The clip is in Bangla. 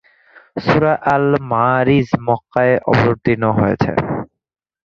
সূরা আল-মাআরিজ মক্কায় অবতীর্ণ হয়েছে।